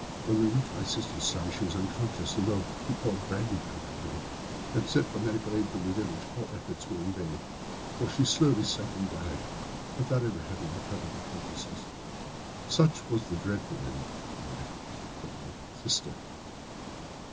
When he reached my sister's side she was unconscious, and though he poured brandy down her throat and sent for medical aid from the village, all efforts were in vain, for she slowly sank and died without having recovered her consciousness. Such was the dreadful end of my beloved sister."